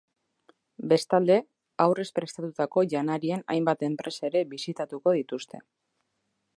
Bestalde, aurrez prestatutako janarien hainbat enpresa ere bisitatuko dituzte.